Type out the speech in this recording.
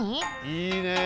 いいねえ。